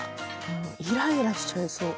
イライラしちゃいそう。